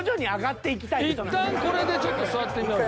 一旦これでちょっと座ってみようよ。